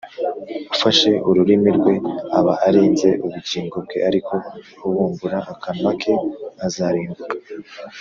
ufashe ururimi rwe aba arinze ubugingo bwe, ariko ubumbura akanwa ke azarimbuka